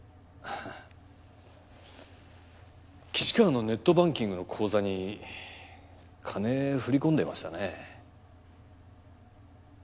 あぁ岸川のネットバンキングの口座に金振り込んでましたね